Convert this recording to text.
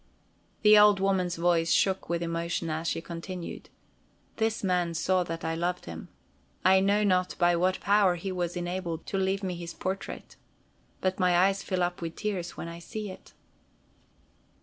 The old woman's voice shook with emotion as she continued: "This man saw that I loved him. I know not by what power he was enabled to leave me his portrait. But mine eyes fill up with tears when I see it."